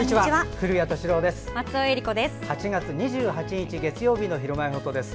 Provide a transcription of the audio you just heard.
古谷敏郎です。